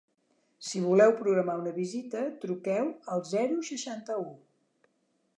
Si voleu programar una visita, truqueu al zero seixanta-u.